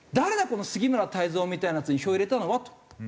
この杉村太蔵みたいなヤツに票を入れたのは？」と。